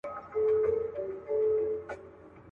یو په بل کي ورکېدلای.